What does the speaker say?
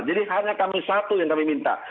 jadi hanya kami satu yang kami minta